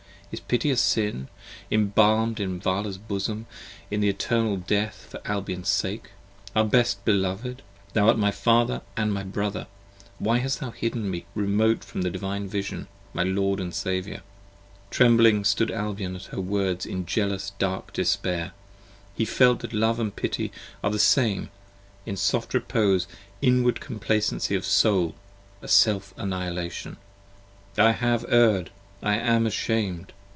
Is Pity a Sin? Embalm'd in Vala's bosom . 10 In an Eternal Death for Albion's sake, our best beloved. Thou art my Father & my Brother: Why hast thou hidden me, Remote from the divine Vision, my Lord & Saviour? Trembling stood Albion at her words in jealous dark despair, He felt that Love and Pity are the same; a soft repose: 15 Inward complacency of Soul: a Self annihilation. I have erred! I am ashamed!